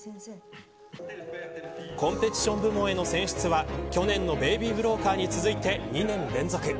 コンペティション部門への選出は去年のベイビー・ブローカーに続いて２年連続。